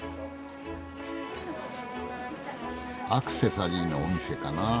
アクセサリーのお店かなあ。